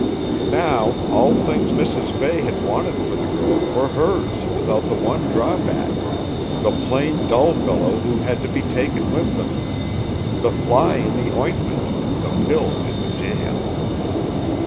Now, all things Mrs. Fay had wanted for the girl were hers without the one drawback; the plain, dull fellow who had to be taken with them the fly in the ointment, the pill in the jam.